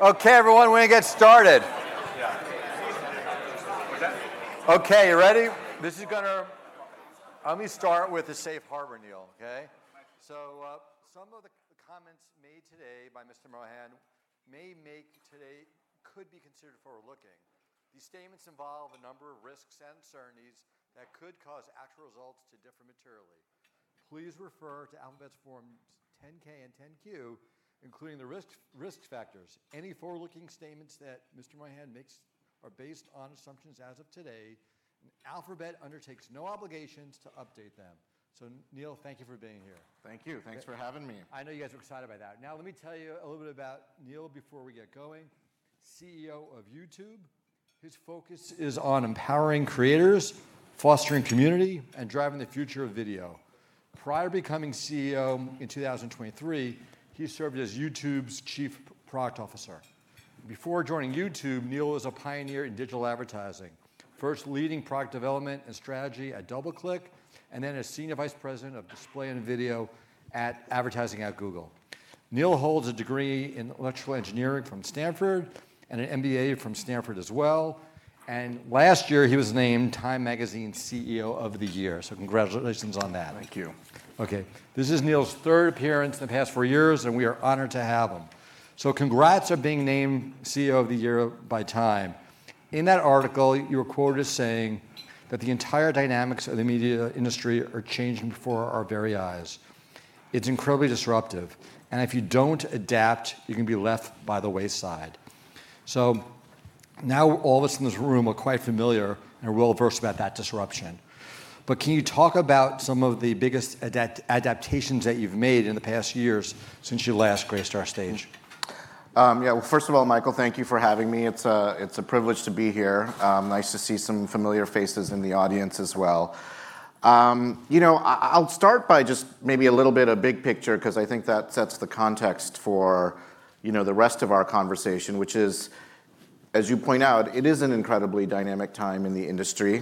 Okay, everyone, we're gonna get started. Yeah. What's that? Okay, you ready? Let me start with the safe harbor, Neal, okay? Okay. Some of the comments made today by Mr. Mohan could be considered forward-looking. These statements involve a number of risks and uncertainties that could cause actual results to differ materially. Please refer to Alphabet's Forms 10-K and 10-Q, including the risk factors. Any forward-looking statements that Mr. Mohan makes are based on assumptions as of today, and Alphabet undertakes no obligations to update them. Neal, thank you for being here. Thank you. Thanks for having me. I know you guys are excited about that. Now let me tell you a little bit about Neal before we get going. CEO of YouTube. His focus is on empowering creators, fostering community, and driving the future of video. Prior to becoming CEO in 2023, he served as YouTube's Chief Product Officer. Before joining YouTube, Neal was a pioneer in digital advertising, first leading product development and strategy at DoubleClick, and then as Senior Vice President of display and video at advertising at Google. Neal holds a degree in electrical engineering from Stanford and an MBA from Stanford as well, and last year he was named Time Magazine CEO of the Year, so congratulations on that. Thank you. Okay. This is Neal's third appearance in the past four years, and we are honored to have him. Congrats on being named CEO of the Year by Time. In that article, you were quoted as saying that, "The entire dynamics of the media industry are changing before our very eyes. It's incredibly disruptive, and if you don't adapt, you can be left by the wayside." Now all of us in this room are quite familiar and well-versed about that disruption. Can you talk about some of the biggest adaptations that you've made in the past years since you last graced our stage? Yeah. Well, first of all, Michael, thank you for having me. It's a privilege to be here. Nice to see some familiar faces in the audience as well. You know, I'll start by just maybe a little bit of big picture, 'cause I think that sets the context for, you know, the rest of our conversation, which is, as you point out, it is an incredibly dynamic time in the industry.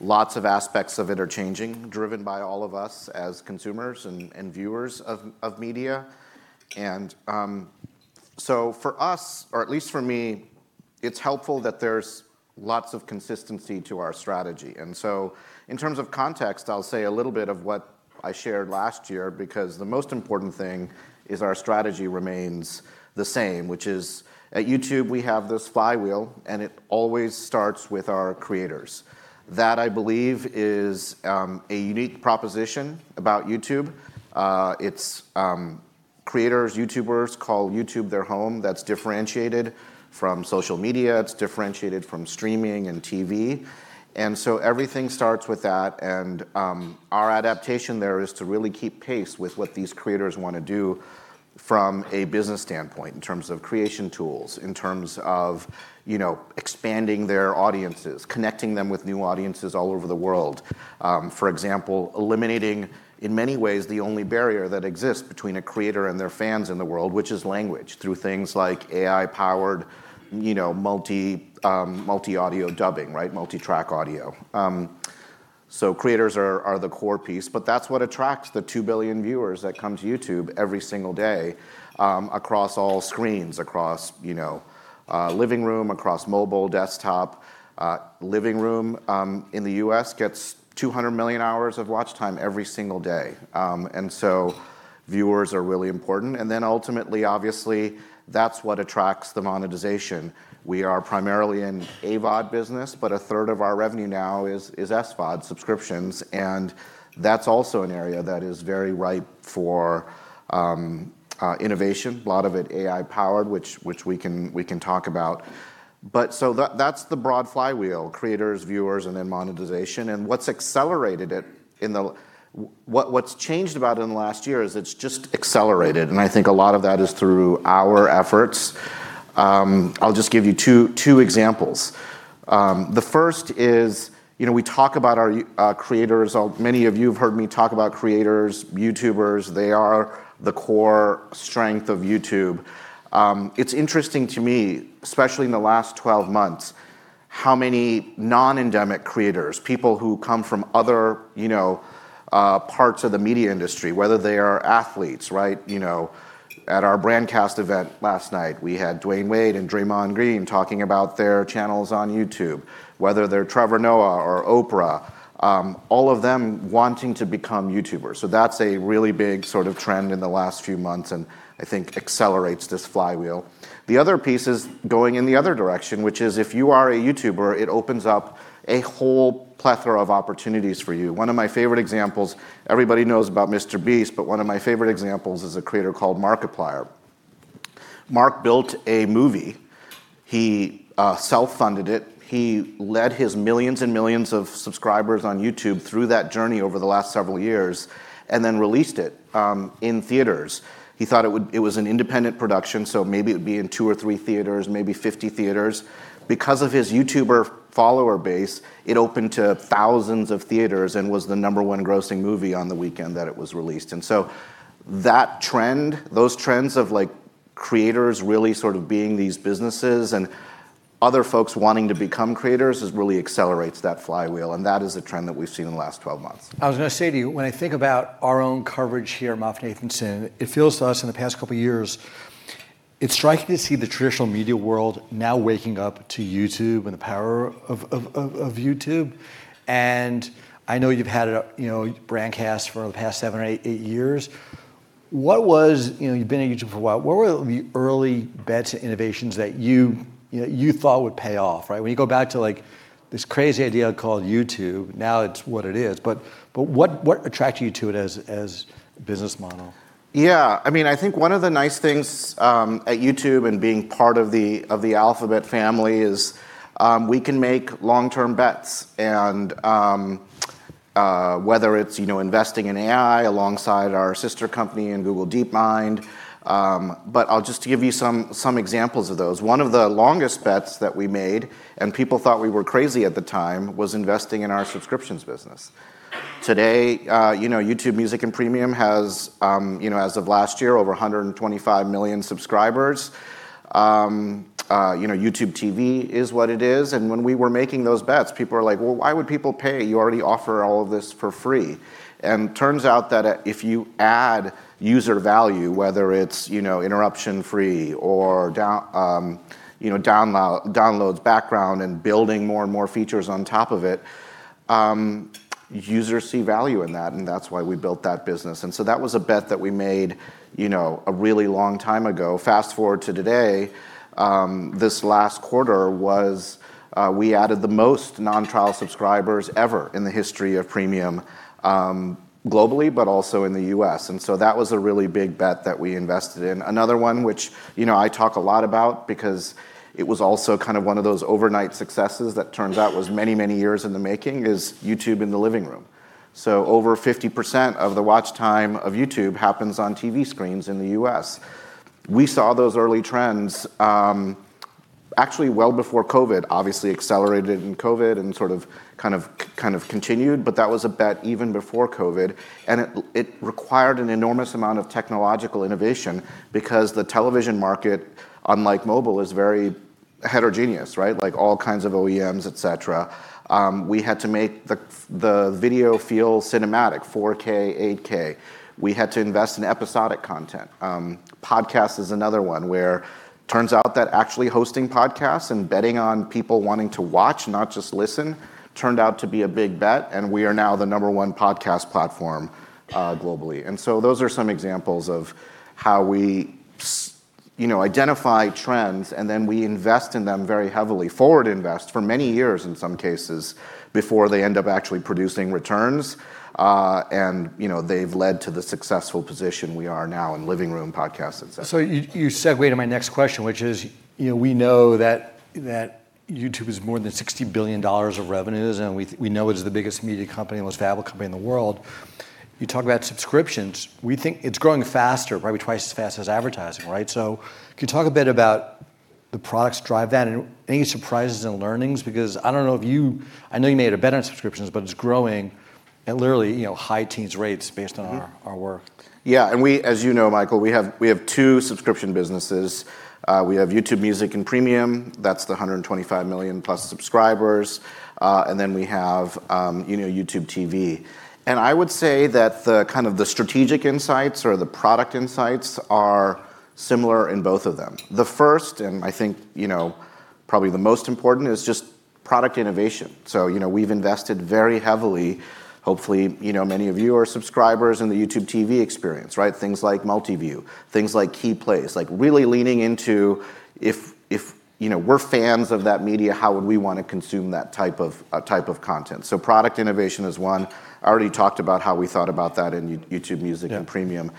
Lots of aspects of it are changing, driven by all of us as consumers and viewers of media. For us, or at least for me, it's helpful that there's lots of consistency to our strategy. In terms of context, I'll say a little bit of what I shared last year, because the most important thing is our strategy remains the same, which is at YouTube we have this flywheel, and it always starts with our creators. That, I believe is a unique proposition about YouTube. It's Creators, YouTubers call YouTube their home. That's differentiated from social media. It's differentiated from streaming and TV. Everything starts with that, and our adaptation there is to really keep pace with what these creators want to do from a business standpoint in terms of creation tools, in terms of, you know, expanding their audiences, connecting them with new audiences all over the world. For example, eliminating, in many ways, the only barrier that exists between a creator and their fans in the world, which is language, through things like AI-powered multi audio dubbing. Multitrack audio. Creators are the core piece, but that's what attracts the 2 billion viewers that come to YouTube every single day across all screens, across living room, across mobile, desktop. Living room in the U.S. gets 200 million hours of watch time every single day. Viewers are really important, and then ultimately, obviously, that's what attracts the monetization. We are primarily an AVOD business, a third of our revenue now is SVOD subscriptions, and that's also an area that is very ripe for innovation, a lot of it AI-powered, which we can talk about. That's the broad flywheel, creators, viewers, and then monetization. What's changed about it in the last year is it's just accelerated. I think a lot of that is through our efforts. I'll just give you two examples. The first is, you know, we talk about our creators. Many of you have heard me talk about creators, YouTubers. They are the core strength of YouTube. It's interesting to me, especially in the last 12 months, how many non-endemic creators, people who come from other, you know, parts of the media industry, whether they are athletes, right? You know, at our Brandcast event last night, we had Dwyane Wade and Draymond Green talking about their channels on YouTube. Whether they're Trevor Noah or Oprah, all of them wanting to become YouTubers. That's a really big sort of trend in the last few months, and I think accelerates this flywheel. The other piece is going in the other direction, which is if you are a YouTuber, it opens up a whole plethora of opportunities for you. One of my favorite examples, everybody knows about MrBeast, but one of my favorite examples is a creator called Markiplier. Mark built a movie. He self-funded it. He led his millions and millions of subscribers on YouTube through that journey over the last several years and then released it in theaters. He thought it was an independent production, so maybe it would be in two or three theaters, maybe 50 theaters. Because of his YouTuber follower base, it opened to thousands of theaters and was the Number 1 grossing movie on the weekend that it was released. That trend, those trends of, like, creators really sort of being these businesses, other folks wanting to become creators is really accelerates that flywheel, and that is a trend that we've seen in the last 12 months. I was gonna say to you, when I think about our own coverage here at MoffettNathanson, it feels to us in the past couple years, it's striking to see the traditional media world now waking up to YouTube and the power of YouTube. I know you've had a, you know, Brandcast for the past seven or eight years. You know, you've been at YouTube for a while. What were the early bets and innovations that you know, you thought would pay off, right? When you go back to, like, this crazy idea called YouTube, now it's what it is, but what attracted you to it as a business model? Yeah, I mean, I think one of the nice things at YouTube and being part of the Alphabet family is we can make long-term bets. Whether it's, you know, investing in AI alongside our sister company in Google DeepMind. I'll just give you some examples of those. One of the longest bets that we made, and people thought we were crazy at the time, was investing in our subscriptions business. Today, you know, YouTube Music and Premium has, you know, as of last year, over 125 million subscribers. You know, YouTube TV is what it is. When we were making those bets, people were like, "Well, why would people pay? You already offer all of this for free. Turns out that, if you add user value, whether it's, you know, interruption-free or downloads background and building more and more features on top of it, users see value in that, and that's why we built that business. That was a bet that we made, you know, a really long time ago. Fast-forward to today, this last quarter was, we added the most non-trial subscribers ever in the history of Premium, globally, but also in the U.S. That was a really big bet that we invested in. Another one which, you know, I talk a lot about because it was also kind of one of those overnight successes that turns out was many, many years in the making, is YouTube in the living room. Over 50% of the watch time of YouTube happens on TV screens in the U.S. We saw those early trends, actually well before COVID. Obviously accelerated in COVID and sort of, kind of continued, but that was a bet even before COVID. It required an enormous amount of technological innovation because the television market, unlike mobile, is very heterogeneous, right? Like, all kinds of OEMs, et cetera. We had to make the video feel cinematic, 4K, 8K. We had to invest in episodic content. Podcast is another one where turns out that actually hosting podcasts and betting on people wanting to watch, not just listen, turned out to be a big bet, and we are now the Number 1 podcast platform globally. Those are some examples of how we you know, identify trends, and then we invest in them very heavily, forward invest for many years in some cases, before they end up actually producing returns. You know, they've led to the successful position we are now in living room, podcasts, et cetera. You segued to my next question, which is, you know, we know that YouTube is more than $60 billion of revenues, and we know it is the biggest media company and most valuable company in the world. You talk about subscriptions. We think it's growing faster, probably twice as fast as advertising, right? Can you talk a bit about the products drive that, and any surprises and learnings? I don't know if you I know you made a bet on subscriptions, but it's growing at literally, you know, high teens rates based on our- our work. We, as you know, Michael, we have two subscription businesses. We have YouTube Music and Premium. That's the 125 million+ subscribers. Then we have, you know, YouTube TV. I would say that the kind of the strategic insights or the product insights are similar in both of them. The first, and I think, you know, probably the most important, is just product innovation. You know, we've invested very heavily. Hopefully, you know, many of you are subscribers in the YouTube TV experience, right? Things like Multiview, things like key plays, like really leaning into if, you know, we're fans of that media, how would we wanna consume that type of type of content? Product innovation is one. I already talked about how we thought about that in YouTube Music. Yeah Premium.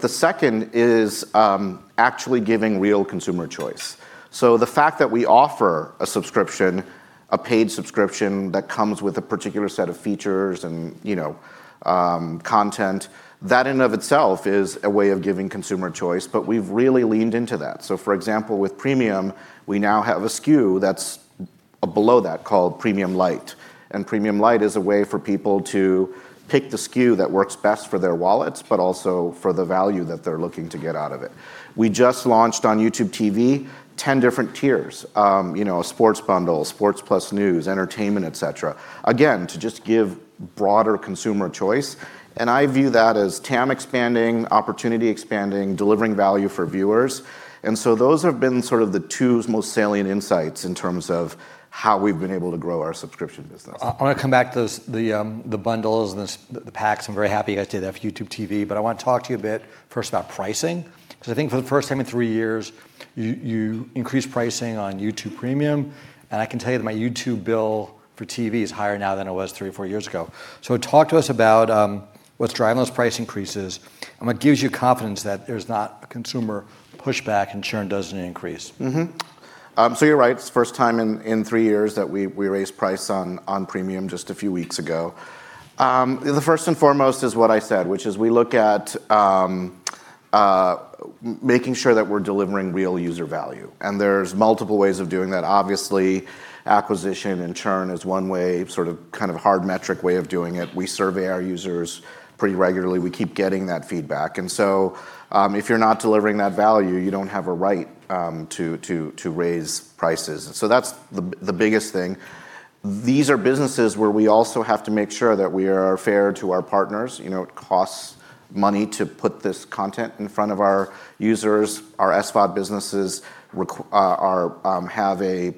The second is, actually giving real consumer choice. The fact that we offer a subscription, a paid subscription that comes with a particular set of features and, you know, content, that in and of itself is a way of giving consumer choice, but we've really leaned into that. For example, with Premium, we now have a SKU that's below that called Premium Lite, and Premium Lite is a way for people to pick the SKU that works best for their wallets, but also for the value that they're looking to get out of it. We just launched on YouTube TV 10 different tiers, you know, a sports bundle, sports plus news, entertainment, et cetera. Again, to just give broader consumer choice, and I view that as TAM expanding, opportunity expanding, delivering value for viewers. Those have been sort of the two most salient insights in terms of how we've been able to grow our subscription business. I wanna come back to those, the bundles and the packs. I'm very happy you guys did that for YouTube TV, but I want to talk to you a bit first about pricing, 'cause I think for the first time in three years, you increased pricing on YouTube Premium, and I can tell you that my YouTube bill for TV is higher now than it was three or four years ago. Talk to us about what's driving those price increases, and what gives you confidence that there's not a consumer pushback and churn doesn't increase. You're right. It's the first time in three years that we raised price on Premium just a few weeks ago. The first and foremost is what I said, which is we look at making sure that we're delivering real user value, and there's multiple ways of doing that. Obviously, acquisition and churn is one way, sort of, kind of hard metric way of doing it. We survey our users pretty regularly. We keep getting that feedback. If you're not delivering that value, you don't have a right to raise prices. That's the biggest thing. These are businesses where we also have to make sure that we are fair to our partners. You know, it costs money to put this content in front of our users. Our SVOD businesses are, have a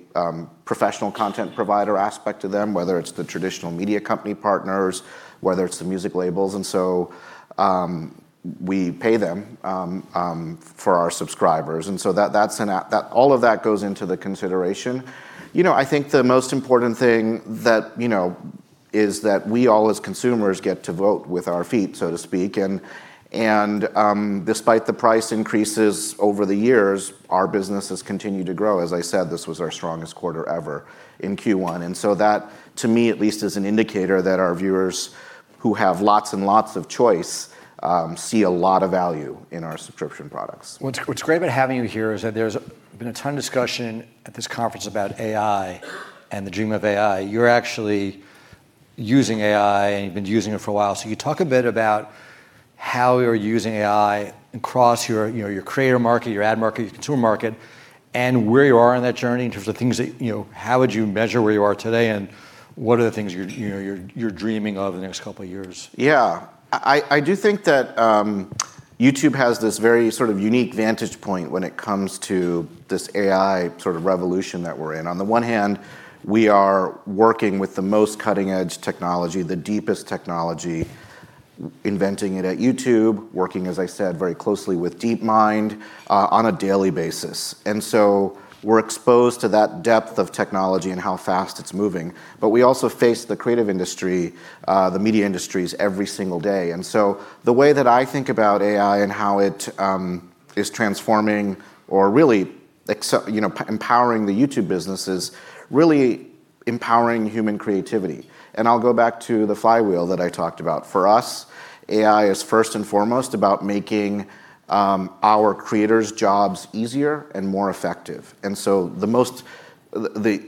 professional content provider aspect to them, whether it's the traditional media company partners, whether it's the music labels. we pay them for our subscribers, and so that's an that all of that goes into the consideration. You know, I think the most important thing that, you know, is that we all as consumers get to vote with our feet, so to speak. Despite the price increases over the years, our business has continued to grow. As I said, this was our strongest quarter ever in Q1. That, to me at least, is an indicator that our viewers who have lots and lots of choice, see a lot of value in our subscription products. What's great about having you here is that there's been a ton of discussion at this conference about AI and the dream of AI. You're actually using AI, and you've been using it for a while. You talk a bit about how you're using AI across your, you know, your creator market, your ad market, your consumer market, and where you are on that journey in terms of things that, you know, how would you measure where you are today, and what are the things you're dreaming of in the next couple of years? Yeah. I do think that YouTube has this very sort of unique vantage point when it comes to this AI sort of revolution that we're in. On the one hand, we are working with the most cutting-edge technology, the deepest technology, inventing it at YouTube, working, as I said, very closely with DeepMind on a daily basis. We're exposed to that depth of technology and how fast it's moving. We also face the creative industry, the media industries every single day. The way that I think about AI and how it is transforming or really you know, empowering the YouTube business is really empowering human creativity. I'll go back to the flywheel that I talked about. For us, AI is first and foremost about making our creators' jobs easier and more effective. The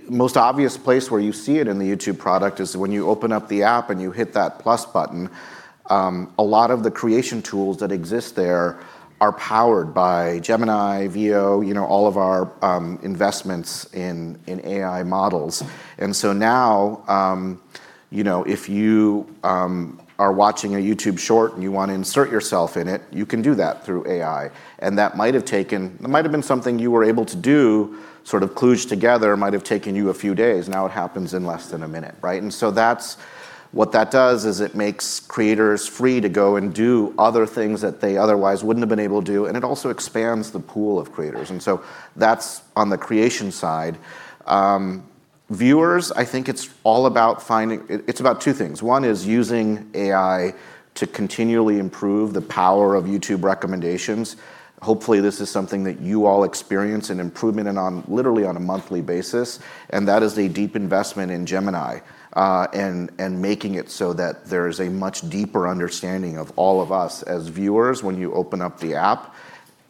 most obvious place where you see it in the YouTube product is when you open up the app and you hit that plus button, a lot of the creation tools that exist there are powered by Gemini, Veo, you know, all of our investments in AI models. Now, you know, if you are watching a YouTube Shorts and you want to insert yourself in it, you can do that through AI. It might have been something you were able to do, sort of kludge together, might have taken you a few days. Now it happens in less than a minute, right? That's What that does is it makes creators free to go and do other things that they otherwise wouldn't have been able to do, and it also expands the pool of creators. That's on the creation side. Viewers, I think it's all about finding. It's about two things. One is using AI to continually improve the power of YouTube recommendations. Hopefully, this is something that you all experience, an improvement, literally on a monthly basis, and that is a deep investment in Gemini and making it so that there is a much deeper understanding of all of us as viewers when you open up the app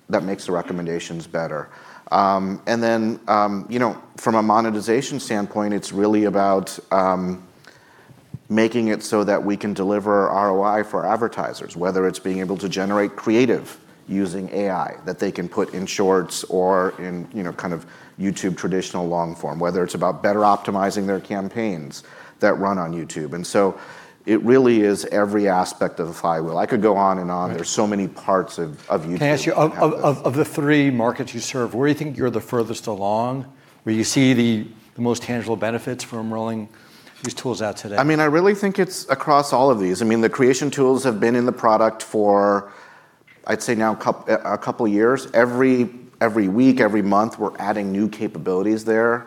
that makes the recommendations better. You know, from a monetization standpoint, it's really about making it so that we can deliver ROI for advertisers, whether it's being able to generate creative using AI that they can put in Shorts or in, you know, kind of YouTube traditional long form, whether it's about better optimizing their campaigns that run on YouTube. It really is every aspect of the flywheel. I could go on and on. Right. There's so many parts of YouTube. Can I ask you, of the three markets you serve, where do you think you're the furthest along, where you see the most tangible benefits from rolling these tools out today? I mean, I really think it's across all of these. I mean, the creation tools have been in the product for, I'd say now a couple years. Every week, every month, we're adding new capabilities there.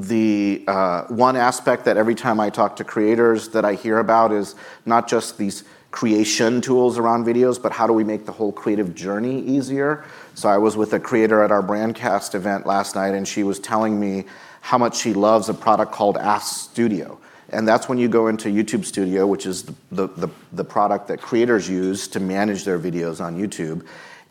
The one aspect that every time I talk to creators that I hear about is not just these creation tools around videos, but how do we make the whole creative journey easier? I was with a creator at our Brandcast event last night, and she was telling me how much she loves a product called Ask Studio, and that's when you go into YouTube Studio, which is the product that creators use to manage their videos on YouTube.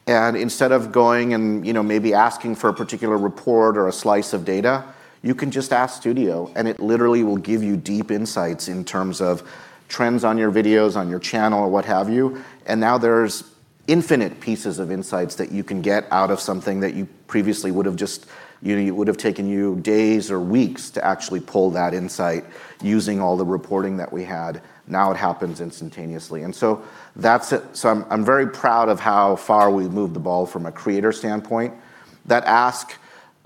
Instead of going and, you know, maybe asking for a particular report or a slice of data, you can just ask Studio, and it literally will give you deep insights in terms of trends on your videos, on your channel or what have you. Now there's infinite pieces of insights that you can get out of something that you previously would have just, you know, it would have taken you days or weeks to actually pull that insight using all the reporting that we had. Now it happens instantaneously. That's it. I'm very proud of how far we've moved the ball from a creator standpoint. That Ask,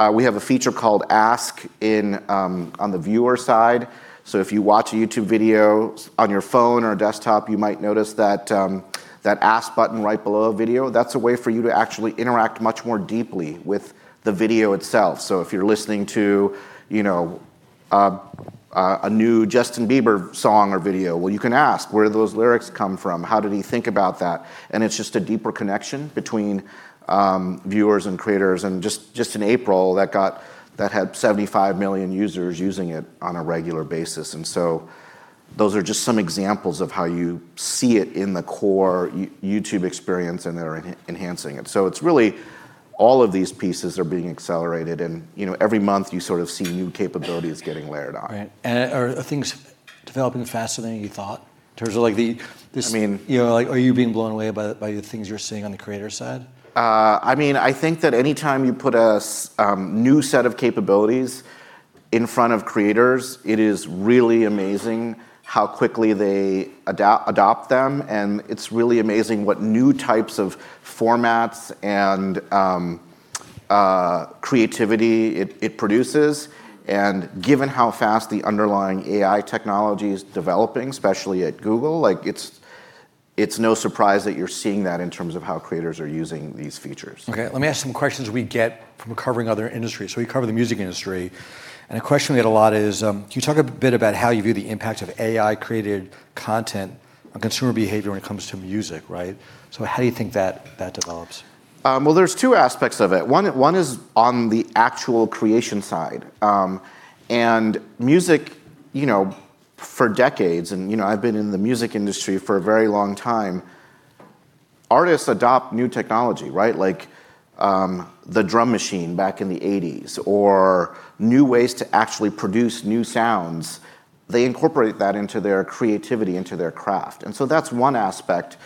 we have a feature called Ask in on the viewer side. If you watch a YouTube video on your phone or a desktop, you might notice that Ask button right below a video. That's a way for you to actually interact much more deeply with the video itself. If you're listening to, you know, a new Justin Bieber song or video, well, you can ask, where did those lyrics come from? How did he think about that? It's just a deeper connection between viewers and creators. In April, that had 75 million users using it on a regular basis. Those are just some examples of how you see it in the core YouTube experience, and they're enhancing it. It's really all of these pieces are being accelerated and, you know, every month you sort of see new capabilities getting layered on. Right. Are developing fascinating you thought? I mean- You know, like are you being blown away by the things you're seeing on the creator side? I mean, I think that any time you put a new set of capabilities in front of creators, it is really amazing how quickly they adopt them, and it's really amazing what new types of formats and creativity it produces. Given how fast the underlying AI technology is developing, especially at Google, like it's no surprise that you're seeing that in terms of how creators are using these features. Okay, let me ask some questions we get from covering other industries. We cover the music industry, and a question we get a lot is, can you talk a bit about how you view the impact of AI-created content on consumer behavior when it comes to music, right? How do you think that develops? Well, there's two aspects of it. One is on the actual creation side. Music, you know, for decades, and, you know, I've been in the music industry for a very long time. Artists adopt new technology, right? Like, the drum machine back in the '80s, or new ways to actually produce new sounds. They incorporate that into their creativity, into their craft. That's one aspect,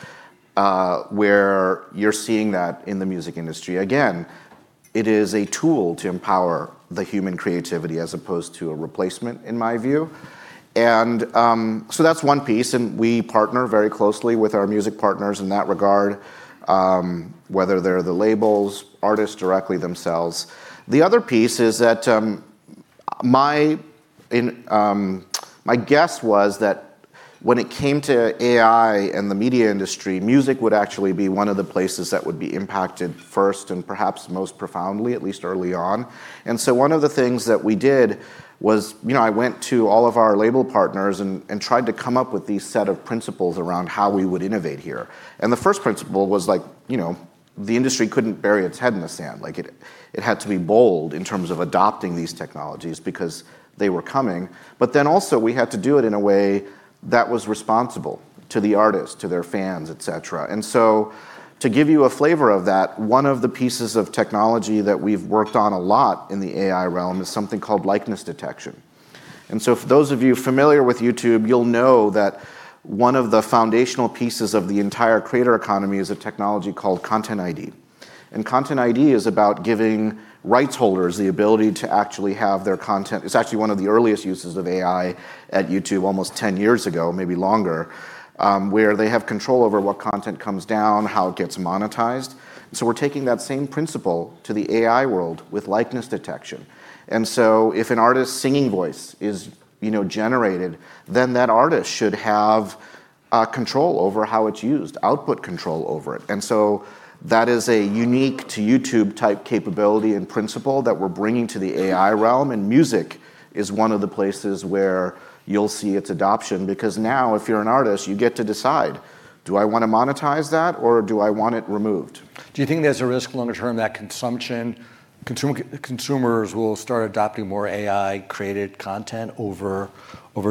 where you're seeing that in the music industry. Again, it is a tool to empower the human creativity as opposed to a replacement, in my view. So, that's one piece, and we partner very closely with our music partners in that regard, whether they're the labels, artists directly themselves. The other piece is that My guess was that when it came to AI and the media industry, music would actually be one of the places that would be impacted first and perhaps most profoundly, at least early on. One of the things that we did was, you know, I went to all of our label partners and tried to come up with these set of principles around how we would innovate here. The first principle was, like, you know, the industry couldn't bury its head in the sand. Like, it had to be bold in terms of adopting these technologies because they were coming. Also we had to do it in a way that was responsible to the artist, to their fans, et cetera. To give you a flavor of that, one of the pieces of technology that we've worked on a lot in the AI realm is something called likeness detection. For those of you familiar with YouTube, you'll know that one of the foundational pieces of the entire creator economy is a technology called Content ID. Content ID is about giving rights holders the ability to actually have their content It's actually one of the earliest uses of AI at YouTube almost 10 years ago, maybe longer, where they have control over what content comes down, how it gets monetized. We're taking that same principle to the AI world with likeness detection. If an artist's singing voice is, you know, generated, then that artist should have control over how it's used, output control over it. That is a unique to YouTube-type capability and principle that we're bringing to the AI realm. Music is one of the places where you'll see its adoption, because now if you're an artist, you get to decide, do I want to monetize that, or do I want it removed? Do you think there's a risk longer term that consumers will start adopting more AI-created content over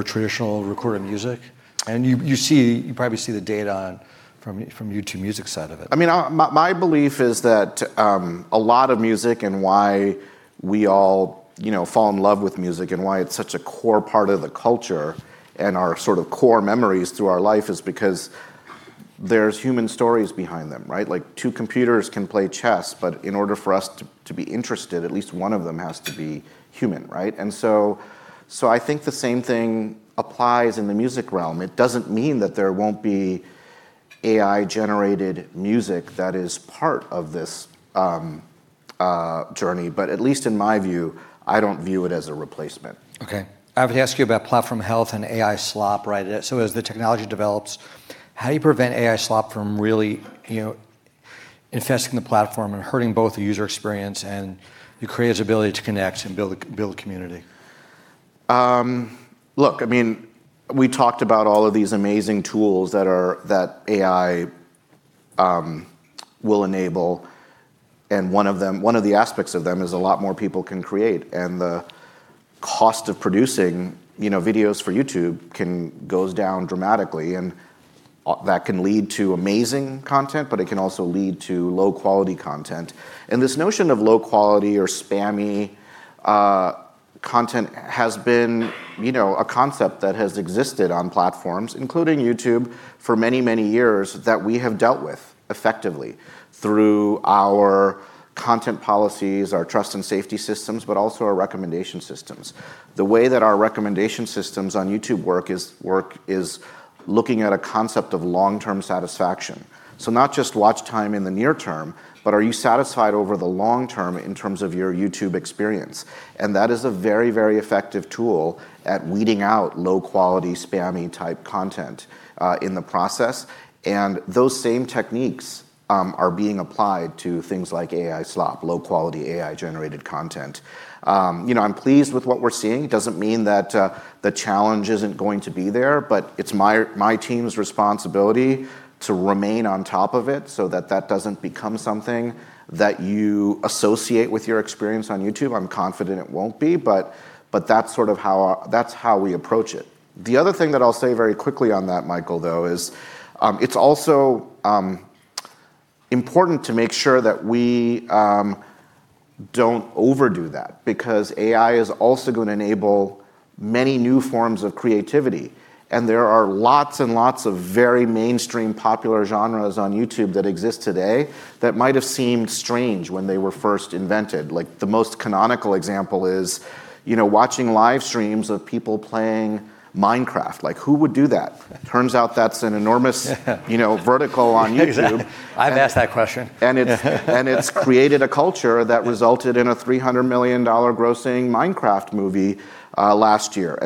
traditional recorded music? You probably see the data from YouTube Music side of it. I mean, my belief is that a lot of music and why we all, you know, fall in love with music and why it's such a core part of the culture and our sort of core memories through our life is because there's human stories behind them, right? Like, two computers can play chess, but in order for us to be interested, at least one of them has to be human, right? I think the same thing applies in the music realm. It doesn't mean that there won't be AI-generated music that is part of this journey, but at least in my view, I don't view it as a replacement. Okay. I have to ask you about platform health and AI slop, right? As the technology develops, how do you prevent AI slop from really, you know, infesting the platform and hurting both the user experience and the creator's ability to connect and build a community? Look, I mean, we talked about all of these amazing tools that AI will enable, one of the aspects of them is a lot more people can create. The cost of producing, you know, videos for YouTube goes down dramatically, and that can lead to amazing content, but it can also lead to low-quality content. This notion of low quality or spammy content has been, you know, a concept that has existed on platforms, including YouTube, for many, many years, that we have dealt with effectively through our content policies, our trust and safety systems, but also our recommendation systems. The way that our recommendation systems on YouTube work is looking at a concept of long-term satisfaction. Not just watch time in the near term, but are you satisfied over the long term in terms of your YouTube experience? That is a very, very effective tool at weeding out low-quality, spammy-type content in the process. Those same techniques are being applied to things like AI slop, low-quality AI-generated content. You know, I'm pleased with what we're seeing. It doesn't mean that the challenge isn't going to be there, but it's my team's responsibility to remain on top of it so that that doesn't become something that you associate with your experience on YouTube. I'm confident it won't be, but that's sort of how, that's how we approach it. The other thing that I'll say very quickly on that, Michael, though, is, it's also important to make sure that we don't overdo that because AI is also gonna enable many new forms of creativity, There are lots and lots of very mainstream popular genres on YouTube that exist today that might have seemed strange when they were first invented. Like, the most canonical example is, you know, watching live streams of people playing Minecraft. Like, who would do that? Turns out that's an enormous, you know, vertical on YouTube. I've asked that question. It's created a culture that resulted in a $300 million grossing Minecraft movie last year.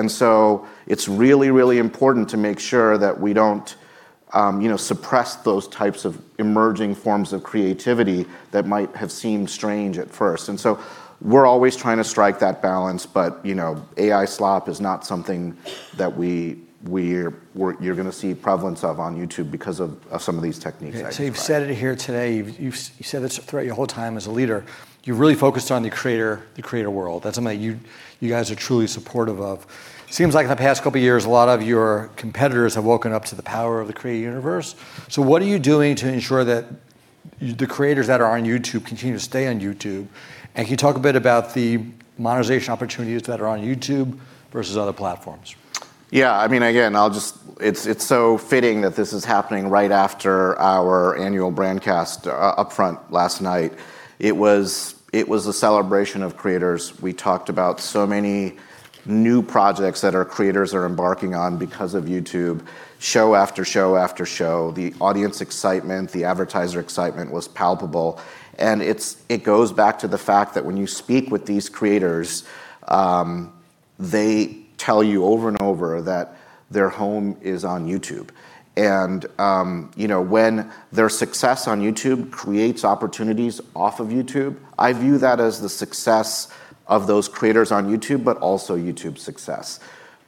It's really, really important to make sure that we don't, you know, suppress those types of emerging forms of creativity that might have seemed strange at first. We're always trying to strike that balance, but, you know, AI slop is not something that we're gonna see prevalence of on YouTube because of some of these techniques I just described. You've said it here today, you've said this throughout your whole time as a leader, you've really focused on the creator world. That's something that you guys are truly supportive of. Seems like in the past couple years, a lot of your competitors have woken up to the power of the creator universe. What are you doing to ensure that the creators that are on YouTube continue to stay on YouTube? Can you talk a bit about the monetization opportunities that are on YouTube versus other platforms? I mean, it's so fitting that this is happening right after our annual Brandcast Upfront last night. It was a celebration of creators. We talked about so many new projects that our creators are embarking on because of YouTube. Show after show after show, the audience excitement, the advertiser excitement was palpable. It goes back to the fact that when you speak with these creators, they tell you over and over that their home is on YouTube. You know, when their success on YouTube creates opportunities off of YouTube, I view that as the success of those creators on YouTube, but also YouTube's success.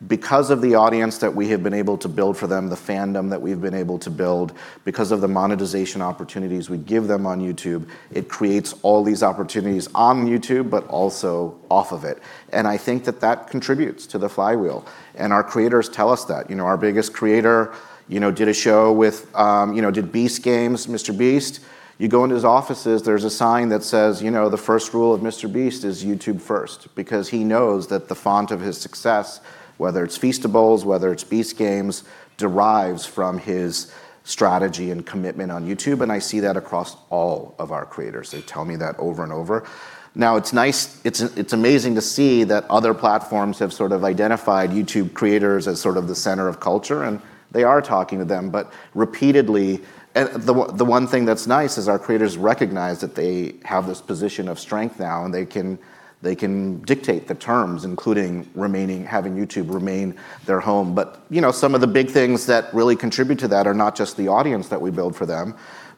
Because of the audience that we have been able to build for them, the fandom that we've been able to build, because of the monetization opportunities we give them on YouTube, it creates all these opportunities on YouTube, but also off of it, and I think that that contributes to the flywheel. Our creators tell us that. You know, our biggest creator, you know, did a show with, you know, did Beast Games, MrBeast. You go into his offices, there's a sign that says, you know, "The first rule of MrBeast is YouTube first," because he knows that the font of his success, whether it's Feastables, whether it's Beast Games, derives from his strategy and commitment on YouTube, and I see that across all of our creators. They tell me that over and over. It's nice, it's amazing to see that other platforms have sort of identified YouTube creators as sort of the center of culture, and they are talking to them repeatedly. The one thing that's nice is our creators recognize that they have this position of strength now, and they can dictate the terms, including remaining, having YouTube remain their home. You know, some of the big things that really contribute to that are not just the audience that we build for them,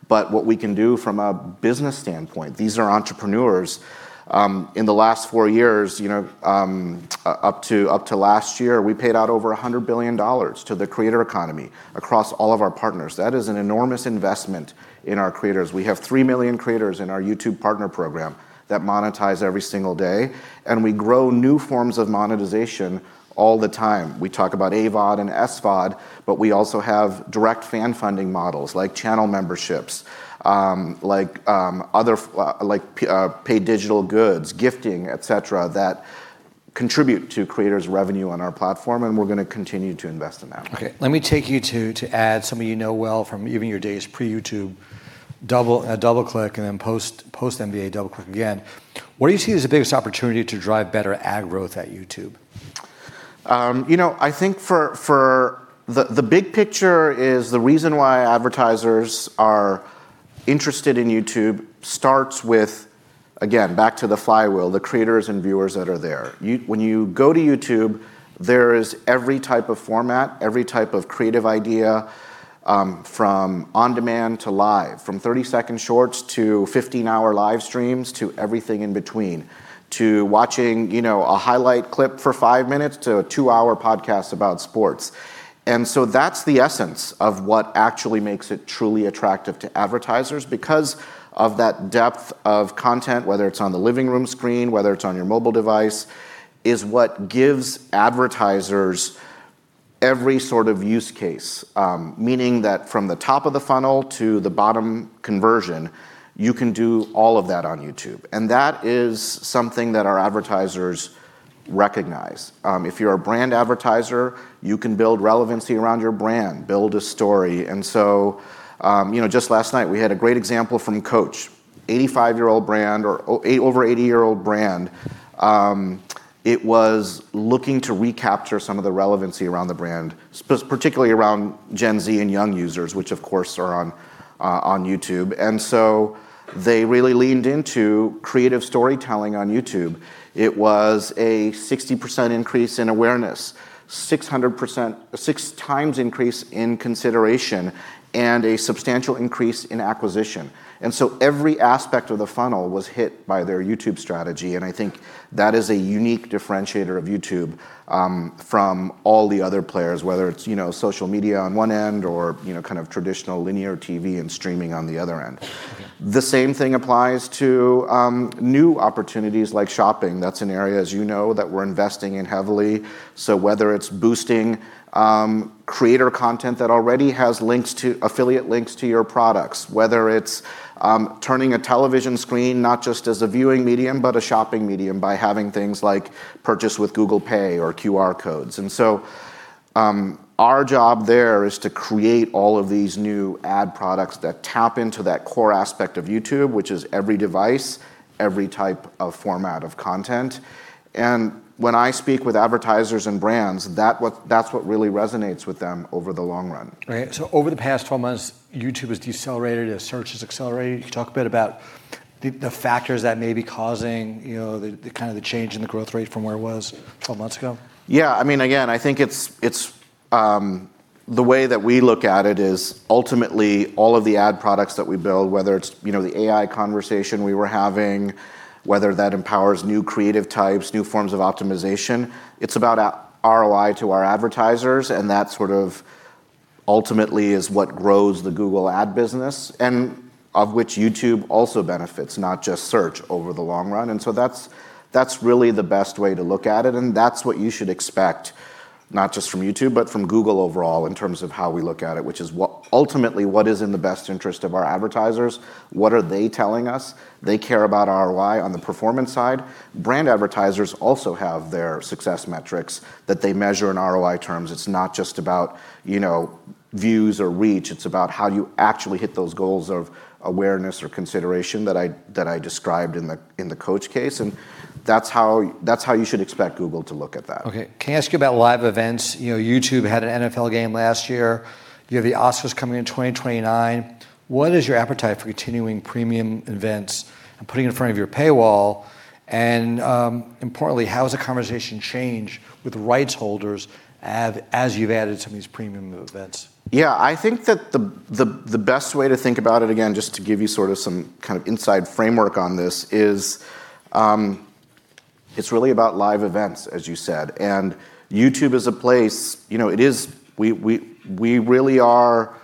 but what we can do from a business standpoint. These are entrepreneurs. In the last four years, you know, up to last year, we paid out over $100 billion to the creator economy across all of our partners. That is an enormous investment in our creators. We have 3 million creators in our YouTube Partner Program that monetize every single day, and we grow new forms of monetization all the time. We talk about AVOD and SVOD, but we also have direct fan funding models like channel memberships, like paid digital goods, gifting, et cetera, that contribute to creators' revenue on our platform, and we're gonna continue to invest in that. Okay. Let me take you to somebody you know well from even your days pre-YouTube, DoubleClick, then post-NBA DoubleClick again. What do you see as the biggest opportunity to drive better ad growth at YouTube? You know, I think for the big picture is the reason why advertisers are interested in YouTube starts with, again, back to the flywheel, the creators and viewers that are there. You, when you go to YouTube, there is every type of format, every type of creative idea, from on-demand to live, from 30-second Shorts to 15-hour live streams, to everything in between, to watching, you know, a highlight clip for five minutes to a two-hour podcast about sports. That's the essence of what actually makes it truly attractive to advertisers, because of that depth of content, whether it's on the living room screen, whether it's on your mobile device, is what gives advertisers every sort of use case. Meaning that from the top of the funnel to the bottom conversion, you can do all of that on YouTube. That is something that our advertisers recognize. If you're a brand advertiser, you can build relevancy around your brand, build a story. You know, just last night we had a great example from Coach, 85-year-old brand, or over 80-year-old brand. It was looking to recapture some of the relevancy around the brand, particularly around Gen Z and young users, which of course are on YouTube. They really leaned into creative storytelling on YouTube. It was a 60% increase in awareness, 600%, six times increase in consideration, and a substantial increase in acquisition. Every aspect of the funnel was hit by their YouTube strategy, and I think that is a unique differentiator of YouTube, from all the other players, whether it's, you know, social media on one end or, you know, kind of traditional linear TV and streaming on the other end. Okay. The same thing applies to new opportunities like shopping. That's an area, as you know, that we're investing in heavily. Whether it's boosting creator content that already has links to, affiliate links to your products, whether it's turning a television screen not just as a viewing medium, but a shopping medium by having things like purchase with Google Pay or QR codes. Our job there is to create all of these new ad products that tap into that core aspect of YouTube, which is every device, every type of format of content. When I speak with advertisers and brands, that's what really resonates with them over the long run. Right. Over the past 12 months, YouTube has decelerated, Search has accelerated. Can you talk a bit about the factors that may be causing, you know, the kind of the change in the growth rate from where it was 12 months ago? Yeah. I mean, again, I think it's, the way that we look at it is ultimately all of the ad products that we build, whether it's, you know, the AI conversation we were having, whether that empowers new creative types, new forms of optimization, it's about ROI to our advertisers, and that sort of ultimately is what grows the Google Ad business, and of which YouTube also benefits, not just Search, over the long run. That's really the best way to look at it, and that's what you should expect, not just from YouTube, but from Google overall in terms of how we look at it, which is ultimately what is in the best interest of our advertisers, what are they telling us. They care about ROI on the performance side. Brand advertisers also have their success metrics that they measure in ROI terms. It's not just about, you know, views or reach. It's about how you actually hit those goals of awareness or consideration that I described in the Coach case, and that's how you should expect Google to look at that. Okay. Can I ask you about live events? You know, YouTube had an NFL game last year. You have the Oscars coming in 2029. What is your appetite for continuing premium events and putting it in front of your paywall? Importantly, how has the conversation changed with rights holders as you've added some of these premium events? Yeah, I think that the best way to think about it, again, just to give you sort of some kind of inside framework on this, is, it's really about live events, as you said. YouTube is a place, you know, we really are,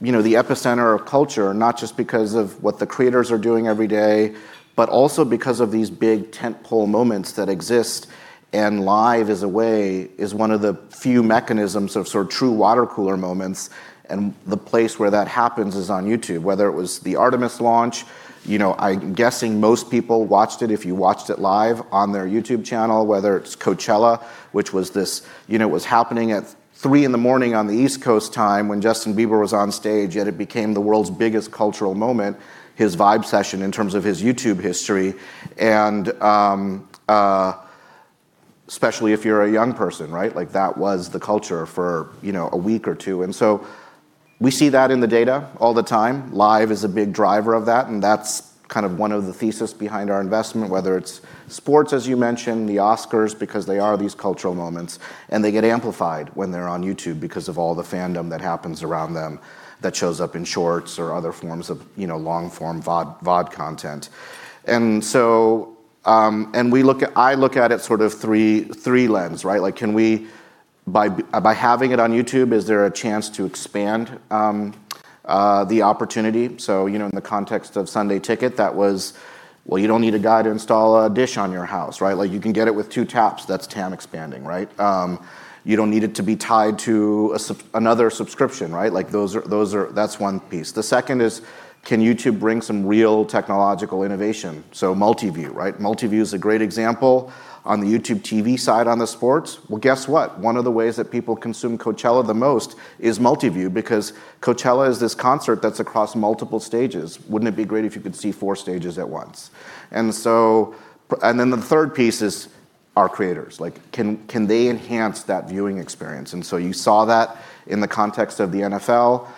you know, the epicenter of culture, not just because of what the creators are doing every day, but also because of these big tent pole moments that exist. Live is a way, is one of the few mechanisms of sort of true watercooler moments, and the place where that happens is on YouTube, whether it was the Artemis launch, you know, I'm guessing most people watched it, if you watched it live, on their YouTube channel, whether it's Coachella, which was this, you know, it was happening at 3:00 in the morning on the East Coast time when Justin Bieber was on stage, yet it became the world's biggest cultural moment, his Vibe session, in terms of his YouTube history. Especially if you're a young person, right? Like, that was the culture for, you know, a week or two. We see that in the data all the time. Live is a big driver of that. That's kind of one of the thesis behind our investment, whether it's sports, as you mentioned, the Oscars, because they are these cultural moments, and they get amplified when they're on YouTube because of all the fandom that happens around them that shows up in Shorts or other forms of, you know, long form VOD content. I look at it sort of three lens, right? Like, can we, by having it on YouTube, is there a chance to expand the opportunity? You know, in the context of Sunday Ticket, that was, well, you don't need a guy to install a dish on your house, right? Like, you can get it with two taps. That's TAM expanding, right? You don't need it to be tied to another subscription, right? Like, those are that's one piece. The second is, can YouTube bring some real technological innovation? Multiview, right? Multiview is a great example. On the YouTube TV side on the sports, well, guess what? One of the ways that people consume Coachella the most is multiview because Coachella is this concert that's across multiple stages. Wouldn't it be great if you could see four stages at once? Then the third piece is our creators. Like, can they enhance that viewing experience? You saw that in the context of the NFL.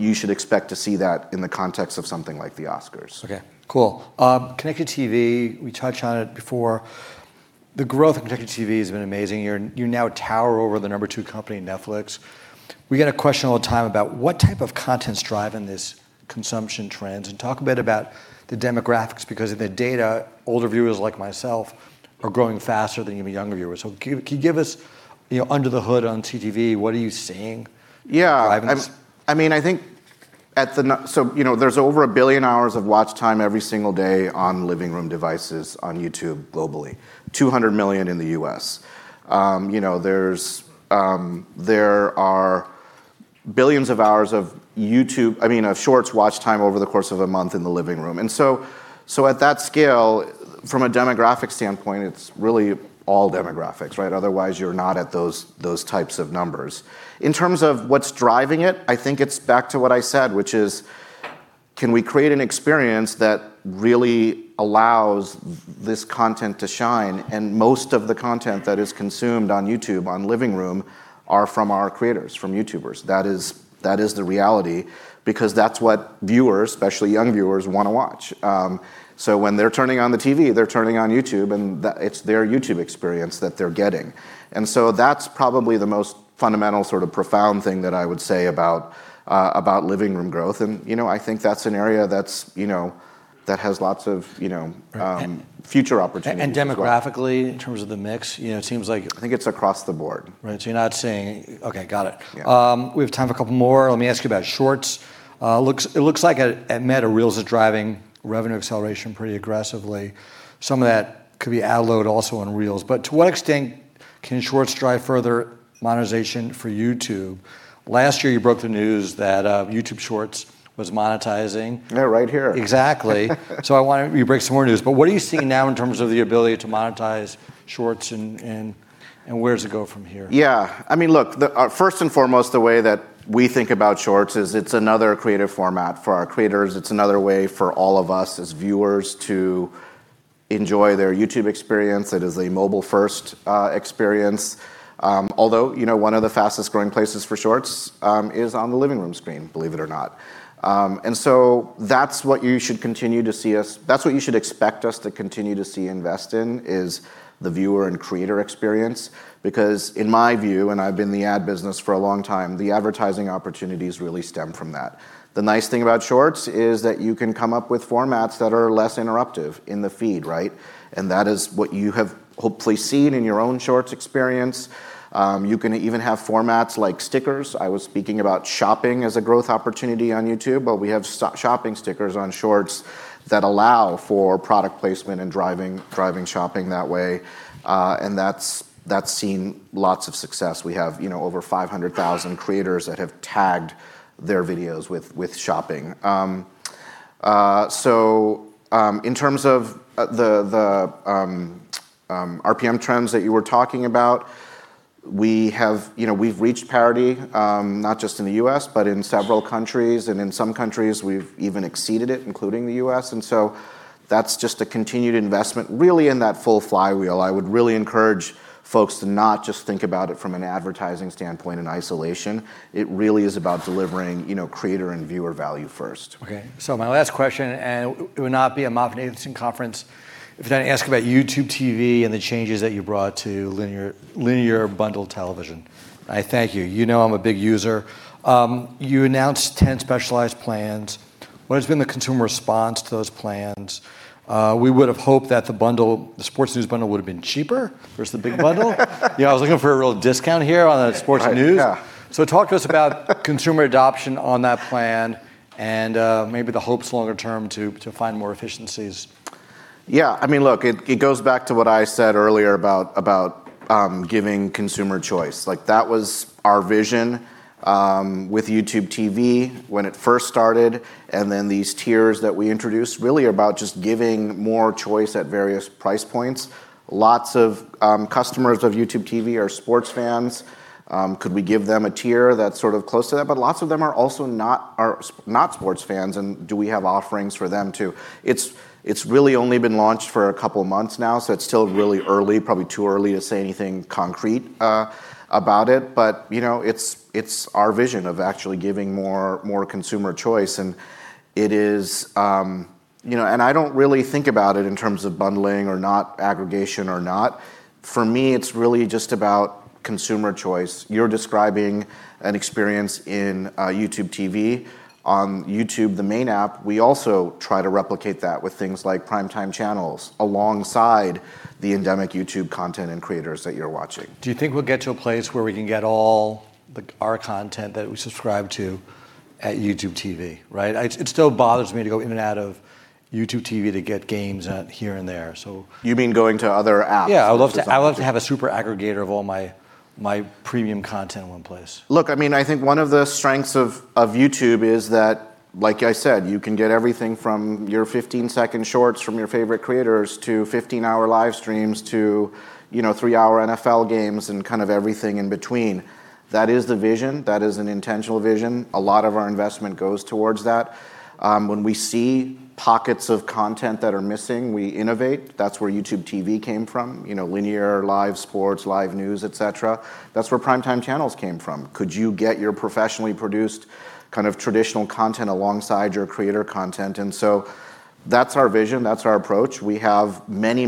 You should expect to see that in the context of something like the Oscars. Okay, cool. connected TV, we touched on it before. The growth of connected TV has been amazing. You now tower over the number two company, Netflix. We get a question all the time about what type of content's driving this consumption trends, and talk a bit about the demographics, because in the data, older viewers like myself are growing faster than even younger viewers. Can you give us, you know, under the hood on CTV, what are you seeing- Yeah driving this? I mean, I think at the n- you know, there's over 1 billion hours of watch time every single day on living room devices on YouTube globally, 200 million in the U.S. you know, there's, there are billions of hours of YouTube, I mean, of Shorts watch time over the course of a month in the living room. At that scale, from a demographic standpoint, it's really all demographics, right? Otherwise, you're not at those types of numbers. In terms of what's driving it, I think it's back to what I said, which is, can we create an experience that really allows this content to shine? Most of the content that is consumed on YouTube, on living room, are from our creators, from YouTubers. That is the reality, because that's what viewers, especially young viewers, want to watch. When they're turning on the TV, they're turning on YouTube, and that, it's their YouTube experience that they're getting. That's probably the most fundamental sort of profound thing that I would say about living room growth. You know, I think that's an area that's, you know, that has lots of, you know. Right future opportunities as well. demographically, in terms of the mix, you know. I think it's across the board. Right. You're not seeing Okay, got it. Yeah. We have time for a couple more. Let me ask you about Shorts. It looks like at Meta, Reels are driving revenue acceleration pretty aggressively. Some of that could be ad load also on Reels. To what extent can Shorts drive further monetization for YouTube? Last year, you broke the news that YouTube Shorts was monetizing. Yeah, right here. Exactly. I wanted you to break some more news. What are you seeing now in terms of the ability to monetize Shorts and where does it go from here? I mean, look, the, first and foremost, the way that we think about Shorts is it's another creative format for our creators. It's another way for all of us as viewers to enjoy their YouTube experience. It is a mobile-first experience. Although, you know, one of the fastest growing places for Shorts is on the living room screen, believe it or not. That's what you should expect us to continue to invest in, is the viewer and creator experience. In my view, and I've been in the ad business for a long time, the advertising opportunities really stem from that. The nice thing about Shorts is that you can come up with formats that are less interruptive in the feed, right? That is what you have hopefully seen in your own Shorts experience. You can even have formats like stickers. I was speaking about shopping as a growth opportunity on YouTube, but we have shopping stickers on Shorts that allow for product placement and driving shopping that way. That's seen lots of success. We have, you know, over 500,000 creators that have tagged their videos with shopping. In terms of the RPM trends that you were talking about, we have, you know, we've reached parity, not just in the U.S., but in several countries, and in some countries we've even exceeded it, including the U.S. That's just a continued investment really in that full flywheel. I would really encourage folks to not just think about it from an advertising standpoint in isolation. It really is about delivering, you know, creator and viewer value first. Okay. My last question, and it would not be a MoffettNathanson conference if I didn't ask about YouTube TV and the changes that you brought to linear bundled television. I thank you. You know I'm a big user. You announced 10 specialized plans. What has been the consumer response to those plans? We would've hoped that the bundle, the sports news bundle would've been cheaper versus the big bundle. You know, I was looking for a real discount here on the sports news. Right. Yeah. Talk to us about consumer adoption on that plan and maybe the hopes longer term to find more efficiencies. Yeah, I mean, look, it goes back to what I said earlier about giving consumer choice. Like, that was our vision with YouTube TV when it first started, these tiers that we introduced really are about just giving more choice at various price points. Lots of customers of YouTube TV are sports fans. Could we give them a tier that's sort of close to that? Lots of them are also not sports fans, do we have offerings for them too? It's really only been launched for two months now, it's still really early, probably too early to say anything concrete about it. You know, it's our vision of actually giving more consumer choice. It is, you know, I don't really think about it in terms of bundling or not aggregation or not. For me, it's really just about consumer choice. You're describing an experience in YouTube TV. On YouTube, the main app, we also try to replicate that with things like Primetime Channels alongside the endemic YouTube content and creators that you're watching. Do you think we'll get to a place where we can get all our content that we subscribe to at YouTube TV, right? It still bothers me to go in and out of YouTube TV to get games here and there. You mean going to other apps? Yeah. That's- I'd love to have a super aggregator of all my premium content in one place. Look, I mean, I think one of the strengths of YouTube is that, like I said, you can get everything from your 15-second Shorts from your favorite creators to 15-hour live streams, to, you know, three-hour NFL games and kind of everything in between. That is the vision. That is an intentional vision. A lot of our investment goes towards that. When we see pockets of content that are missing, we innovate. That's where YouTube TV came from, you know, linear, live sports, live news, et cetera. That's where Primetime Channels came from. Could you get your professionally produced kind of traditional content alongside your creator content? That's our vision, that's our approach. We have many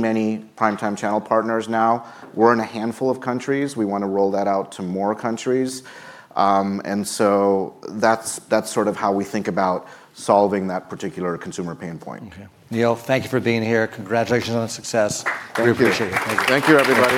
Primetime Channel partners now. We're in a handful of countries. We want to roll that out to more countries. That's sort of how we think about solving that particular consumer pain point. Okay. Neal, thank you for being here. Congratulations on the success. Thank you. We appreciate it. Thank you. Thank you, everybody.